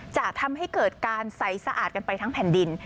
จะทำให้เกิดการใสสะอาดกันไปทั้งแผ่นดิน